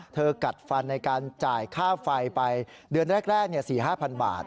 กัดฟันในการจ่ายค่าไฟไปเดือนแรก๔๕๐๐บาท